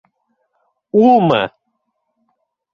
Улмы?